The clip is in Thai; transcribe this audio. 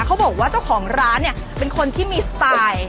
เขาบอกว่าเจ้าของร้านเนี่ยเป็นคนที่มีสไตล์